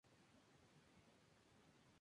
Es prima del reconocido director Claudio Guzmán.